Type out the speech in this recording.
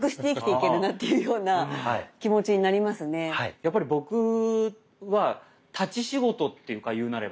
やっぱり僕は立ち仕事っていうか言うなれば。